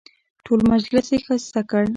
ټول مجلس یې ښایسته کړ.